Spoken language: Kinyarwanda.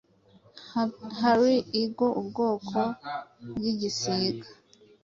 harpy eagle ubwoko bwigisiga